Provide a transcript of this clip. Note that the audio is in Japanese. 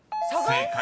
［正解。